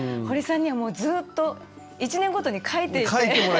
堀さんにはもうずっと１年ごとに描いていって。